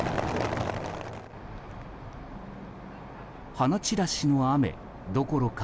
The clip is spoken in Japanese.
花散らしの雨どころか